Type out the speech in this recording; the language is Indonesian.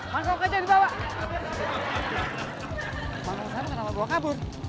mangkuk saya kenapa dibawa kabur